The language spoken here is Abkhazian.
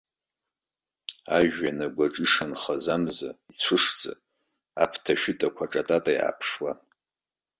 Ажәҩан агәаҿы ишанхаз амза, ицәышӡа, аԥҭа шәытақәа аҿатата иааԥшуан.